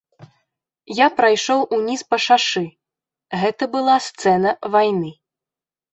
Я прайшоў уніз па шашы, гэта была сцэна вайны.